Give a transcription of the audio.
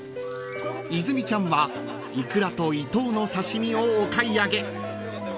［泉ちゃんはいくらとイトウの刺身をお買い上げ］